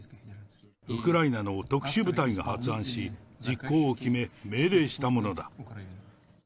ウクライナの特殊部隊が発案し、実行を決め、命令したものだ。